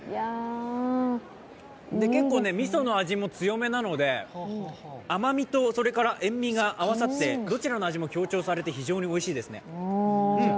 結構、みその味も強めなので甘みとそれから塩みが合わさってどちらの味も強調されておいしいですね。